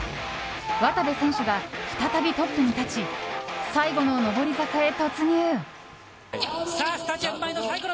渡部選手が再びトップに立ち最後の上り坂へ突入。